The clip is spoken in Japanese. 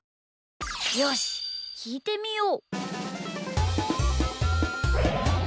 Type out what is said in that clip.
よしきいてみよう。